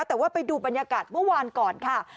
แต่ว่าไปดูบรรยากาศเมื่อวานก่อนค่ะ